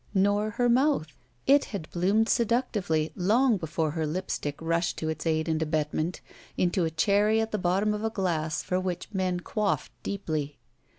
Nor her mouth. It had bloomed se ductively, long before her lip stick rushed to its aid and abetment, into a cherry at the bottom of a glass for which men quaffed deeply.